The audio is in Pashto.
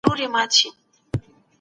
هر څوک د ژوند د خوندي کولو حق لري.